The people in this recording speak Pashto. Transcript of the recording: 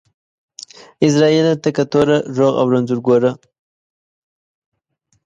عزرائيله تکه توره ، روغ او رنځور گوره.